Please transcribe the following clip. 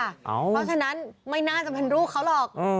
เพราะฉะนั้นไม่น่าจะเป็นลูกเขาหรอก